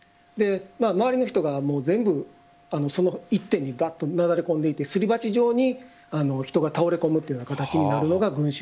周りの人が全部その一点になだれ込んでいってすり鉢状に人が倒れこむという形になるのが群集